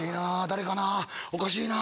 誰かな？